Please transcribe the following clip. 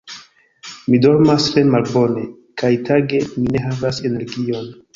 Mi dormas tre malbone, kaj tage mi ne havas energion.